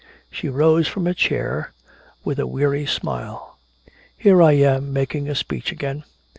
She rose from her chair, with a weary smile: "Here I am making a speech again.